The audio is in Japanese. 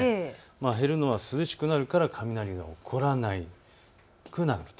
減るのは、涼しくなるから雷が起こらなくなると。